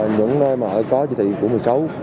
những nơi mà có chỉ thị của một mươi sáu